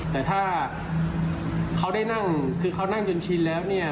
แต่ถ้าเขาได้นั่งคือเขานั่งจนชินแล้วเนี่ย